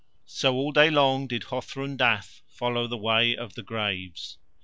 So all day long did Hothrun Dath follow the way of the graves.